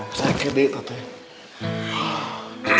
pakai deh tata